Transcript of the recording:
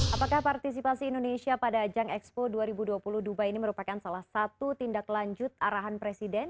apakah partisipasi indonesia pada ajang expo dua ribu dua puluh dubai ini merupakan salah satu tindak lanjut arahan presiden